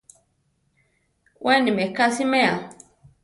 Weni meká siméa.